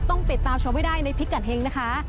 ต้องไปตามชวนไม่ได้ในพิกัณห์เฮงนะคะ